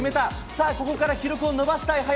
さあ、ここから記録を伸ばしたい林。